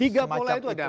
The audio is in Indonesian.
tiga pola itu ada